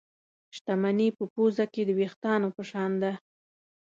شتمني په پوزه کې د وېښتانو په شان ده.